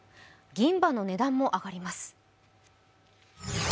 銀歯の値段も上がります。